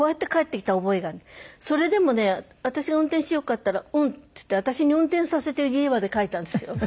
それでもね私が運転しようかって言ったら「うん」って言って私に運転させて家まで帰ったんですよ。